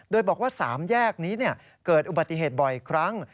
โดยบอกว่า๓แยกนี้เกิดอุบัติเหตุบ่อยครั้ง